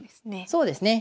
そうですね。